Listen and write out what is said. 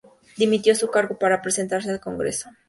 Dimitió de su cargo para presentarse al Congreso.